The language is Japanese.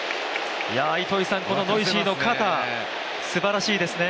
このノイジーの肩、すばらしいですね。